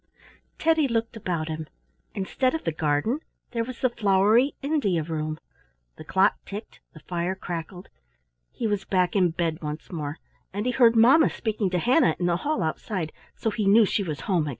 Teddy looked about him. Instead of the garden there was the flowery India room. The clock ticked, the fire crackled; —he was back in bed once more, and he heard mamma speaking to Hannah in the hall outside, so he knew she was home again.